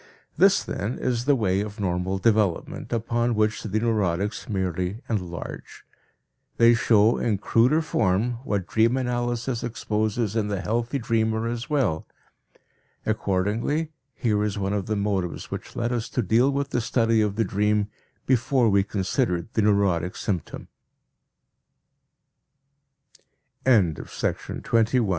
This, then, is the way of normal development, upon which the neurotics merely enlarge. They show in cruder form what dream analysis exposes in the healthy dreamer as well. Accordingly here is one of the motives which led us to deal with the study of the dream before we considered the neurotic symptom. TWENTY SECOND LECTURE GENERAL